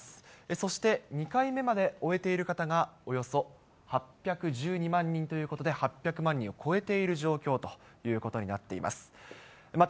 そして２回目まで終えている方がおよそ８１２万人ということで、８００万人を超えている状況ということになっています。